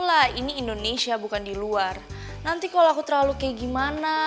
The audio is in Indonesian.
kan neng juga ada janji sama mamanya